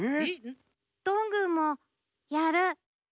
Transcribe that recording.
どんぐーもやる。